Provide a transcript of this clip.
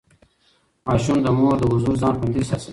ماشوم د مور له حضور ځان خوندي احساسوي.